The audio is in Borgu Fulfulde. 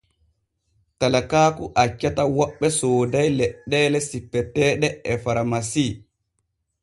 Talakaaku accata woɓɓe sooday leɗɗeele sippeteeɗe e faramasi.